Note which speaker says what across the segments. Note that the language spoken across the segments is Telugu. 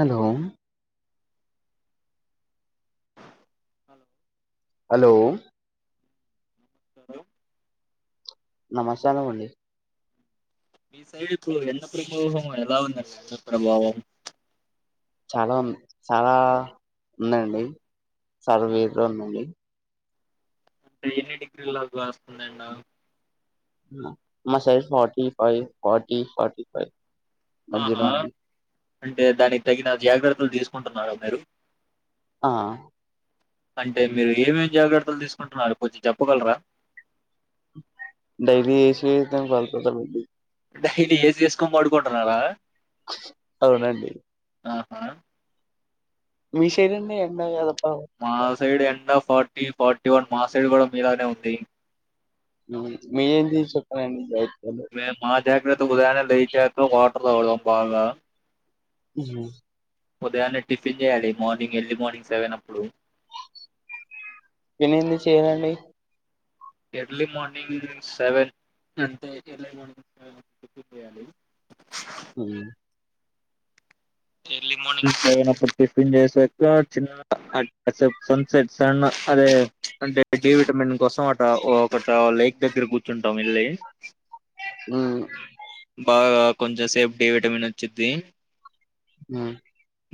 Speaker 1: అలో
Speaker 2: హలో
Speaker 1: అలో
Speaker 2: నమస్కారం
Speaker 1: నమస్సానం అండి.
Speaker 2: మీ సైడ్ ఇప్పుడు ఎండ ప్రభావం ఎలా ఉండండి ఎండ ప్రభావం
Speaker 1: చాలా ఉంది. చాలా ఉందండి. చాల
Speaker 2: ఉమ్.
Speaker 1: వేడిగ ఉందండి.
Speaker 2: అంటే ఎన్ని డిగ్రీల దాక కాస్తంది ఎండ?
Speaker 1: మా సైడ్ ఫార్టీఫైవ్, ఫార్టీ, ఫార్టీఫైవ్ మద్యలో
Speaker 2: ఆహా
Speaker 1: అండి
Speaker 2: అంటే దానికి తగిన జాగ్రత్తలు తీసుకుంటున్నార మీరు?
Speaker 1: ఆ
Speaker 2: అంటే మీరు ఏమేమి జాగ్రత్తలు తీసుకుంటున్నారు కొంచెం చెప్పగలరా
Speaker 1: డైలీ [unintelligible]
Speaker 2: డైలీ ఏసి ఏసుకొని పడుకుంటన్నారా
Speaker 1: అవునా అండి
Speaker 2: ఆహా
Speaker 1: మీ సైడ్ అండి ఎండ గాదు
Speaker 2: మా సైడ్ ఎండా ఫార్టీ ఫార్టీ వన్ మా సైడ్ కూడా మీలానే ఉంది
Speaker 1: మీ ఎందీ [unintelligible]
Speaker 2: మేం మా జాగ్రత్ [unintelligible] వాటర్ తాగుతాం బాగా
Speaker 1: ఉహు
Speaker 2: ఉదయాన్నే టిఫిన్ జేయాలి మార్నింగ్ ఎర్లీ మార్నింగ్ సెవెన్ అప్పుడు
Speaker 1: ఎందుకు చేయాలండి
Speaker 2: ఎర్లీ మార్ర్నింగ్ సెవెన్ అంటే ఎర్లీ మార్నింగ్ టిఫిన్ చేయాలి
Speaker 1: ఉ
Speaker 2: ఎర్లీ మార్నింగ్ సెవెన్ అప్పుడు టిఫిన్ చేశాక చిన్న అటు సన్సెట్ సన్ను అదే అంటే డి విటమిన్ కోసం అటా ఒకట లేక్ దగ్గర కూర్చుంటాం వెళ్ళి
Speaker 1: ఉ
Speaker 2: బాగా కొంచెం సేపు డి విటమిన్ వచ్చుద్ది
Speaker 1: ఆ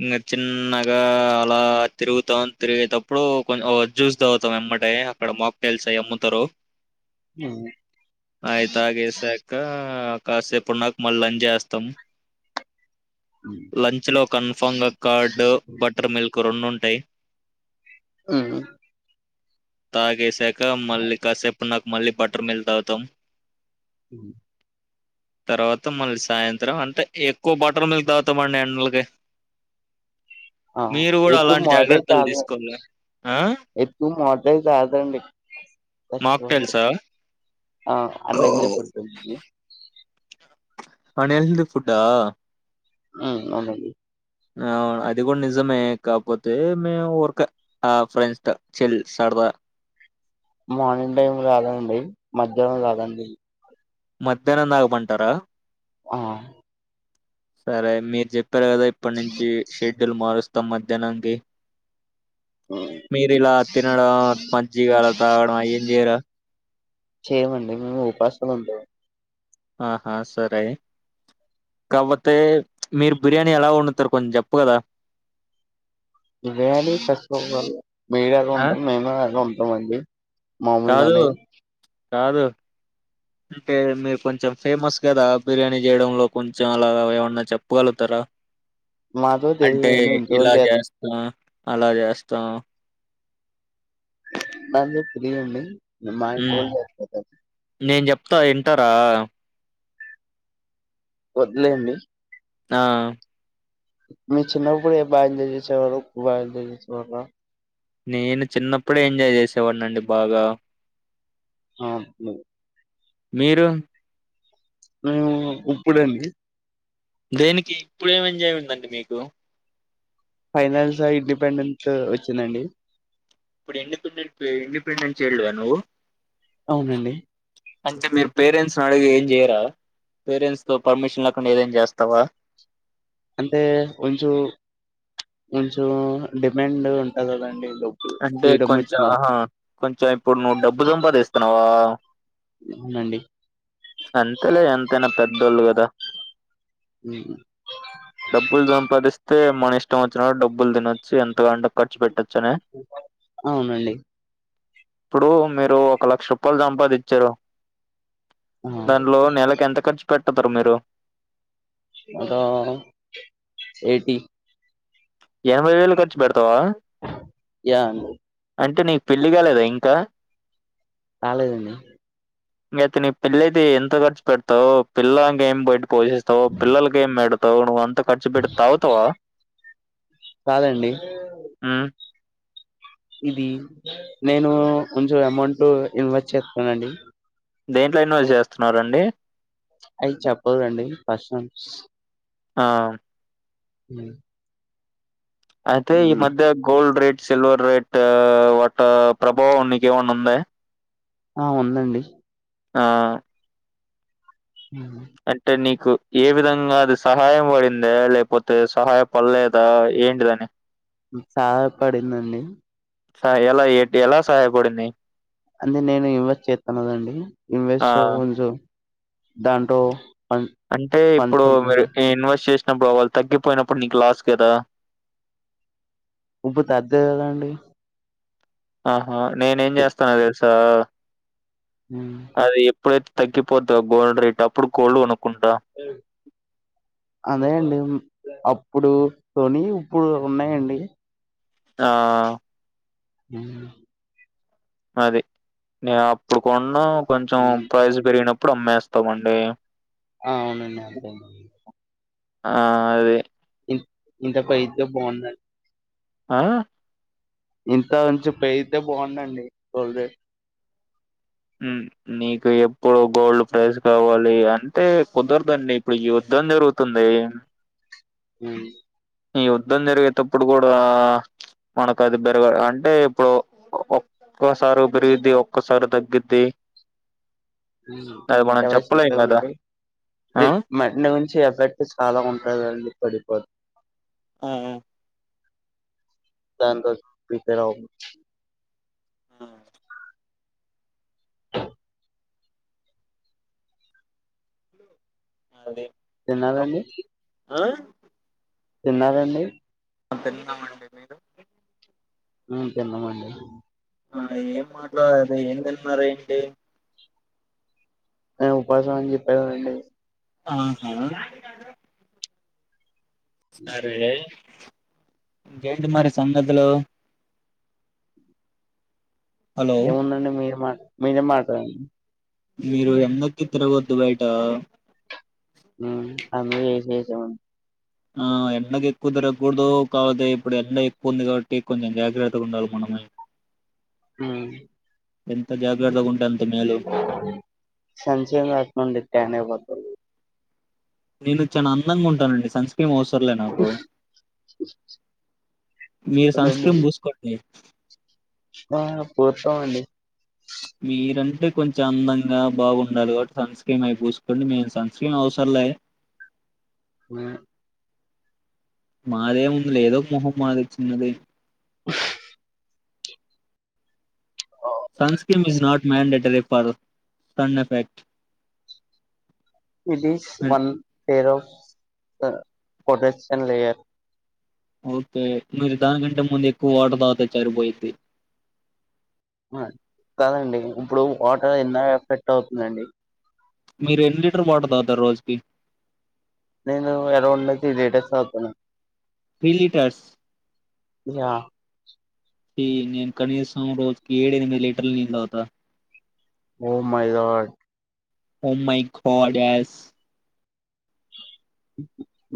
Speaker 2: ఇంకా చిన్నగా అలా తిరుగుతాం తిరిగేటప్పుడు కొంచం ఒగ జ్యూస్ తాగుతాం వెమ్మటే నే అక్కడ మాక్ తెలిసి అమ్ముతారు
Speaker 1: ఉమ్,
Speaker 2: అవి తాగేసాక కాసేపు ఉన్నాక మల్ల లంచ్ జేస్తాం
Speaker 1: ఉమ్,
Speaker 2: లంచ్ లో కన్ఫామ్ గా కార్డ్ బటర్ మిల్క్ రెండు ఉంటాయి
Speaker 1: ఉ
Speaker 2: తాగేశాక మళ్ళి కాసేపు ఉన్నాక మళ్ళీ బటర్ మిల్క్ తాగుతాం
Speaker 1: ఉ
Speaker 2: తర్వాత మళ్ళీ సాయంత్రం అంతే ఎక్కువ బటర్ మిల్క్ దా గుతాం అండి ఎండలకి
Speaker 1: ఆ,
Speaker 2: మీరు గుడా
Speaker 1: ఎక్కువ
Speaker 2: అలాంటి
Speaker 1: మోటైతే
Speaker 2: జాగ్రత్తలు
Speaker 1: కాదు
Speaker 2: తీసుకోలే
Speaker 1: ఎక్కువ మాఫ్టెల్స్ తాగుతా అండి
Speaker 2: మాఫ్టెల్సా
Speaker 1: ఆ అన్ ఎల్తి ఫుడ్ [unintelligible]
Speaker 2: అన్ హెల్త్ ఫుడ్ ఆ
Speaker 1: ఉ అవునండి
Speaker 2: అవును అది కూడా నిజమే కాకపోతే మేము ఊరికే ఆ ఫ్రెండ్స్ చిల్ సరదా బా
Speaker 1: మార్నింగ్ టైం కాదండి మధ్యానం తాగండి
Speaker 2: మధ్యానం తాగమంటారా
Speaker 1: ఆ
Speaker 2: సరే మీరు చెప్పారు కదా ఇప్పటి నుంచి షెడ్యూల్ మారుస్తాం మధ్యానానికి
Speaker 1: హ్మ్.
Speaker 2: మీరి ఇలా తినడం మజ్జిగ అలా తాగడం అవి ఏం చెయ్యరా
Speaker 1: చేయమండి మేము ఉపాసమే ఉంటాం
Speaker 2: ఆహా సరే కామత్తే మీరు బిర్యానీ ఎలా వండుతారు కొంచెం చెప్పు గలర
Speaker 1: బిర్యాని తక్కువ మీరు ఎలాగ
Speaker 2: ఆ?
Speaker 1: ఉంటారో మేము ఆలాగే ఉంటామండి మాముల్
Speaker 2: కాదు.
Speaker 1: దానే
Speaker 2: కాదు అంటే మీరు కొంచెం ఫేమస్ కదా బిర్యానీ చేయడంలో కొంచెం అలాగ ఏమన్నా చెప్పగలుగుతార ట్ర
Speaker 1: మాతో
Speaker 2: అంటే
Speaker 1: తెలియదండి
Speaker 2: ఇలా
Speaker 1: ఇంట్లోవాళ్ళు
Speaker 2: చేస్తా అలా చేస్తా
Speaker 1: అందుకు ఫ్రీ ఉన్నాయ్
Speaker 2: హ్మ్ నేను చెప్తా వింటారా
Speaker 1: వద్దులేండి
Speaker 2: ఆ
Speaker 1: మీరు చిన్నప్పుడు బాగా ఎంజాయ్ చేసేవారు బాగా ఎంజాయ్ చేసేవాళ్ళ
Speaker 2: నేను చిన్నప్పుడే ఎంజాయ్ చేసేవాడిని అండి బాగా
Speaker 1: అ [unintelligible]
Speaker 2: మీరు
Speaker 1: మేము ఉప్పుడండి
Speaker 2: దేనికి ఇప్పుడు ఏం ఎంజాయ్ ఉందండి మీకు
Speaker 1: ఫైనాన్స్ ఇండిపెండెంట్ వచ్చిందండి
Speaker 2: ఇప్పుడు ఇండిపెండెంట్ ఇండిపెండెంట్ చైల్డ్ వా నువ్వు
Speaker 1: అవునండి
Speaker 2: అంటే మీరు పేరెంట్స్ ని అడిగి ఏం చేయరా పేరెంట్స్ తో పర్మిషన్ లేకుండా ఏదైనా చేస్తావా
Speaker 1: అంటే కొంచం కొంచం డిమాండ్ ఉంటది కదండి డబ్బు
Speaker 2: అంటే
Speaker 1: ఫ్రీడమ్
Speaker 2: కొంచం
Speaker 1: వచ్చిన తర్వాత.
Speaker 2: ఆహా కొంచం ఇప్పుడు నువ్వు డబ్బు సంపాదస్తున్నావా
Speaker 1: అవునండి
Speaker 2: అంతేలే ఎంతైనా పెద్దోళ్ళు కదా
Speaker 1: హ్మ్.
Speaker 2: డబ్బులు సంపాదిస్తే మన ఇష్ట ఇష్టం వచ్చినపుడు డబ్బులు తినచ్చు ఎంతగలాంటి ఖర్చు పెట్టచ్చ అనా
Speaker 1: అవునండి
Speaker 2: ఇప్పుడు మీరు ఒక లక్ష రూపాయలు సంపాదించారు
Speaker 1: ఆ
Speaker 2: దాన్లో నెలకు ఎంత ఖర్చు పెట్టతారు మీరు
Speaker 1: అదా ఎయిటీ
Speaker 2: ఎనభై వేలు ఖర్చు పెడతవా
Speaker 1: యా ను
Speaker 2: అంటే నీకు పెళ్ళి కాలేదా ఇంకా
Speaker 1: కాలేదండీ
Speaker 2: ఇంగా ఐతే నీకు పెళ్ళయితే ఎంత ఖర్చు పెడతావు పెళ్ళాంకి ఏం పెడ్ పోషిస్తావు పిల్లలకి ఏం పెడతావు నువ్వు అంత ఖర్చు పెడ్తావ్ తాగుతావా
Speaker 1: కాదండి
Speaker 2: హ్మ్.
Speaker 1: ఇది నేను కొంచం అమౌంట్ ఇన్వెస్ట్ చేతనండి
Speaker 2: దేంట్లో ఇన్వెస్ట్ చేస్తున్నారండి
Speaker 1: అవి చెప్పదండీ పర్సనల్స్
Speaker 2: ఆ
Speaker 1: హ్మ్
Speaker 2: అయితే ఈ
Speaker 1: హ్మ్.
Speaker 2: మధ్య gold rate silver rate what ప్రభావం నీకు ఏమైన్న ఉందా
Speaker 1: ఆ ఉందండి
Speaker 2: ఆ
Speaker 1: హ్మ్.
Speaker 2: అంటే నీకు ఏ విధంగా అది సహాయం పడిందా లేపోతే సహాయ పడలేదా ఏంటిదని
Speaker 1: హ్మ్ సహాయ పడిందండి
Speaker 2: స ఎలా ఏంటి ఎలా సహయపడింది
Speaker 1: అంటే నేను ఇన్వెస్ట్ చేతన్ననండి
Speaker 2: ఆ
Speaker 1: ఇన్వెస్ట్ లో కొంచం దాంటో
Speaker 2: అంటే ఇప్పుడు మీరు ఇన్వెస్ట్ చేస్ సంబావాళ్ళు తగ్గిపోయినప్పుడు నీకు లాస్ కదా
Speaker 1: హు హు తద్దే కదా అండి
Speaker 2: ఆహా నేనేమ్ జేస్తానో తెలుసా
Speaker 1: హుమ్
Speaker 2: ఇప్పుడైతే తగ్గిపొద్దో గోల్డ్ రేట్ అప్పుడు కొలడ్డోనం
Speaker 1: అదేండిమ్ అప్ ఇప్పుడు తోని ఇప్పుడు ఉన్నాయండి.
Speaker 2: ఆ
Speaker 1: ఇల్లు
Speaker 2: అది నేను అప్పుడు కొన్న కొంచెం ప్రైజ్ బేరిగినం ఇప్పుడు అమ్మేస్తామండే
Speaker 1: ఆ, అవునండి అంతే అండి.
Speaker 2: ఆ అదే
Speaker 1: ఇ ఇంత పైదా బావుందాన్
Speaker 2: ఆఅ
Speaker 1: ఇంత ఉంచి పెయితే బావుడండి. టోల్ గెట్
Speaker 2: హు నీకు ఎప్పుడు గోల్డ్ ప్రైజ్ కావాలి అంటే కుదరదండి. ఇప్పుడు యూత్ యుద్ధం జరుగుతుంది ఏయాన్
Speaker 1: హుహ్
Speaker 2: ఈ యుద్ధం జరిగేటప్పుడు కూడా మనకు అది బేర్గర్ అంటే ఇప్పుడు ఒక్కోసారి ఒగ్రీది ఒక్కోసారి తగ్గిద్ది
Speaker 1: హు
Speaker 2: అది మనం
Speaker 1: ఏవై
Speaker 2: చెప్పలేం కదా
Speaker 1: సూటవండి
Speaker 2: ఆ
Speaker 1: గ్రిస్ మేడవుచి ఎఫెక్ట్ చాలా ఉంటదండి పడిపోద్
Speaker 2: ఆ యావ్
Speaker 1: దాని కోసం పీకారవకు
Speaker 2: హుమ్ అదే
Speaker 1: తినాలండి
Speaker 2: అహ్
Speaker 1: తిన్నారండి
Speaker 2: ఆ తిన్నమండి. మీరు
Speaker 1: హు తిన్నామండి అది
Speaker 2: ఆ ఏం మాట్లాడ్ అది ఏం తిన్నారేంటి
Speaker 1: నేన్ ఉపసం అని జెపగదండి
Speaker 2: ఆహు సరే ఇంగేంటి మరి సంగతులు హలో
Speaker 1: ఏముందండి మీరు మాట్ మీరే మాట్లాడండి
Speaker 2: మీరు ఎన్నకి తిరగద్దు బయట
Speaker 1: హు అందు ఏసీ యేసమండి.
Speaker 2: ఆ ఎండకు ఎక్కువ తరగకూడదు కావదే ఇప్పుడు ఎండ ఎక్కువ ఉంది. కాబట్టి కొంచెం జాగ్రత్తగా ఉండాలి. మనం ముయ్
Speaker 1: హు
Speaker 2: ఎంత జాగ్రర్ధన్ ఉంటాంన్
Speaker 1: సంచయం రత్నడే టానేబాద్
Speaker 2: నేను చానా అందంగా ఉంటానండి. సంస్క కే అవసర లే నాకు మీరు సన్
Speaker 1: అవునండి
Speaker 2: స్క్రీమ్ పూసుకోండి
Speaker 1: ఆ పుస్తమండి
Speaker 2: మీరంటే కొంచెం అందంగా బాగుండాలి. కాబట్టి సన్ స్క్రీన్ అయి పూసుకోండి. మేము సన్ స్క్రీన్ అవసర లే
Speaker 1: ఉయా
Speaker 2: మాదేముందిలే ఏదో ఒక మొహం మాది చిన్నది sunscreen is not mandatory for sun effect
Speaker 1: it is one pair of protection layer
Speaker 2: okay మీరు దానికంటే ముందు ఎక్కువ వాటర్ చరిపోఇద్ది
Speaker 1: కదండి ఇప్పుడు వాటర్ ఎన్న ఎఫెక్ట్ అవుతుంద అండి
Speaker 2: మీరు ఎన్ని లీటర్ వాటర్ తాగుతారు రోజుకి
Speaker 1: నేను ఎ రౌండ్ త్రీ లీటర్స్ తాగుతాను
Speaker 2: త్రీ లీటర్స్
Speaker 1: యా
Speaker 2: నేను కనీసం రోజుకి ఏడు ఎనిమిది లీటర్లు నీలు తాగుతా
Speaker 1: oh my God
Speaker 2: oh my God యజు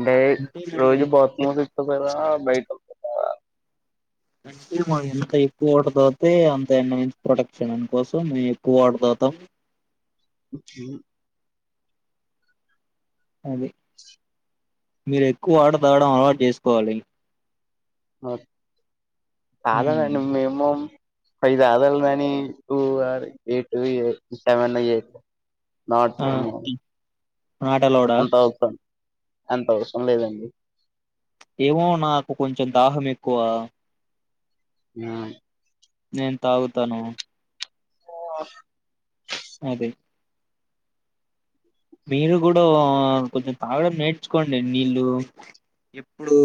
Speaker 1: బే
Speaker 2: అంటే మనం
Speaker 1: రోజు బాక్స్ లో తీసుకుపోయారా బయట
Speaker 2: అంటే మా ఎంత ఎక్కువ వాటర్ తాగుతే అంత ఎండ నుంచి ప్రొటక్షన్ కోసం మేము ఎక్కువ వాటర్ తాగుతాం
Speaker 1: [unintelligible]
Speaker 2: అదే మీరు ఎక్కువ వాటర్ తాగడం అలవాటు చేసుకోవాలి
Speaker 1: అ
Speaker 2: హ్మ్
Speaker 1: కాదనండి మేమోమ్ అవి జాదరులు నని టూ ఆ ఎయిట్ సెవెన్ ఎయిట్ నాటు
Speaker 2: నాటలోడ
Speaker 1: అంత అవసరం లేదండి
Speaker 2: ఏమో నాకు కొంచెం దాహం ఎక్కువ
Speaker 1: న
Speaker 2: నేను తాగుతను
Speaker 1: ఓ ఆ
Speaker 2: అదే మీరు కూడా కొంచెం తాగడం నేర్చుకోండి నీళ్ళు ఎప్పుడు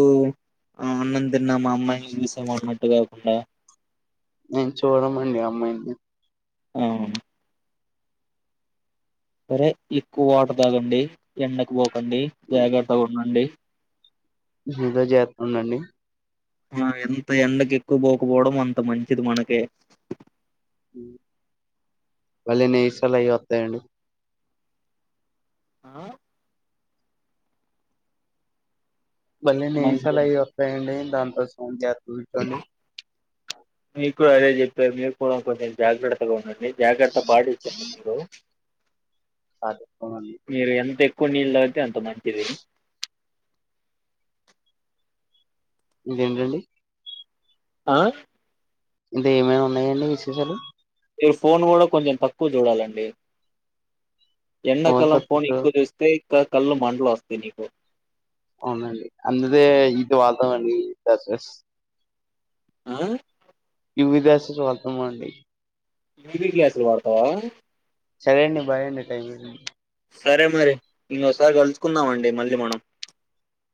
Speaker 2: ఆ అన్నం తిన్నామా అమ్మాయిని చూసామా అన్నట్టు కాకుండా
Speaker 1: నేను చూడమండి అమ్మాయిని
Speaker 2: ఆ సరే ఎక్కువ వాటర్ తాగండి ఎండకు పోకండి జాగ్రత్తగా ఉండండి
Speaker 1: ఏదో చేస్తంది అండి
Speaker 2: ఆ ఎంత ఎండకు ఎక్కువ పోకపోవడం అంత మంచిది మనకే
Speaker 1: వాళ్ళె నిమిషాల వస్తాయండి
Speaker 2: ఆ
Speaker 1: మళ్ళీ
Speaker 2: మంచి
Speaker 1: నిమిసాలు అవి వస్తాయండి దానికోసం జత్త చూసుకోండి
Speaker 2: మీ కూడా అదే చెప్పే మీకు కూడా కొంచెం జాగ్రత్తగా ఉండండి జాగ్రత్త పట్టించండి మీరు
Speaker 1: అదు కొనాలి
Speaker 2: కొన్ని నీళ్లు తాగితే అంత మంచిది
Speaker 1: ఇదేంటండి
Speaker 2: ఆ
Speaker 1: ఇది ఏమైనా ఉన్నాయండి విశేషాలు
Speaker 2: మీరు ఫోన్ కూడా కొంచెం తక్కువ చూడాలండి ఎండ కాలం ఫోన్ ఎక్కువ చూస్తే కళ్ళు మాండలు వస్తాయి నీకు
Speaker 1: అవునండి అందుదే ఇది వాళ్దం అని ఎసేస్
Speaker 2: ఆ
Speaker 1: యువి దస్ జోలుతమండి
Speaker 2: బి బి గ్లాసులు వాడుతావా
Speaker 1: సరే అండి బాయ్ అండి టైం అయిపోయిన్
Speaker 2: సరే మరి ఇంకోసారి కలుసుకుందామండి మళ్లీ మనం.